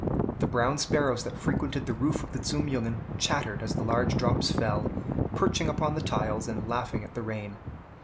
The brown sparrows that frequented the roof of the Zum Jungen, chattered as the large drops fell, perching upon the tiles and laughing at the rain.